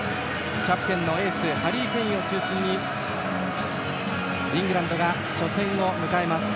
キャプテンのエースハリー・ケインを中心にイングランドが初戦を迎えます。